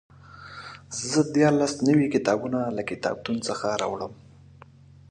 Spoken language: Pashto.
زه دیارلس نوي کتابونه له کتابتون څخه راوړم.